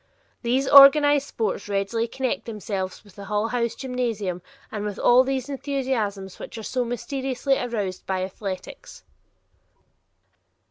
These organized sports readily connect themselves with the Hull House gymnasium and with all those enthusiasms which are so mysteriously aroused by athletics.